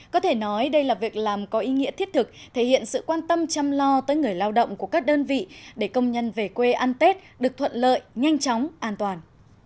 có thể nói đây là việc làm có ý nghĩa thiết thực thể hiện sự quan tâm chăm lo tới người lao động của các đơn vị để công nhân về quê ăn tết được thuận lợi nhanh chóng an toàn